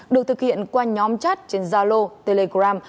được thực hiện qua nhóm chat trên zalo telegram